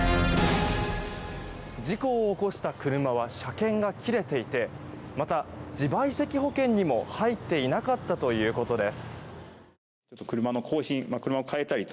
事故を起こした車は車検が切れていてまた、自賠責保険にも入っていなかったということです。